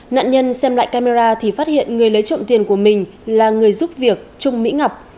nạn nhân xem lại camera thì phát hiện người lấy trộm tiền của mình là người giúp việc trung mỹ ngọc